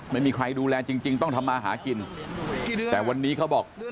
ไม่มีใครดูแลจริงจริงต้องทำมาหากินแต่วันนี้เขาบอก